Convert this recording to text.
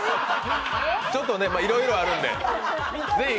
ちょっとね、いろいろあるんで。